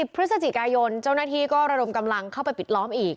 พฤศจิกายนเจ้าหน้าที่ก็ระดมกำลังเข้าไปปิดล้อมอีก